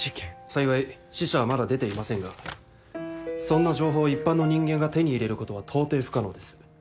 幸い死者はまだ出ていませんがそんな情報を一般の人間が手に入れることは到底不可能です。